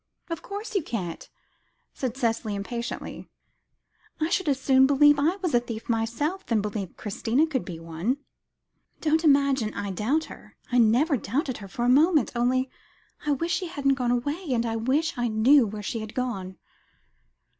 "Of course you can't," Cicely said impatiently. "I should as soon believe I was a thief myself, as believe Christina to be one. Don't imagine I doubt her. I never doubted her for a moment. Only I wish she hadn't gone away; and I wish I knew where she had gone."